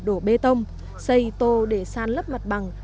đổ bê tông xây tô để san lấp mặt bằng